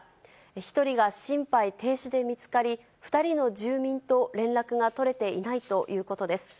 １人が心肺停止で見つかり、２人の住民と連絡が取れていないということです。